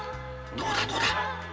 どうだどうだ？